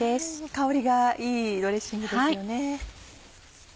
香りがいいドレッシングですよね。